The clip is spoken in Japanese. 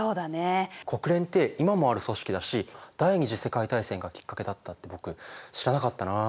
国連って今もある組織だし第二次世界大戦がきっかけだったって僕知らなかったなあ。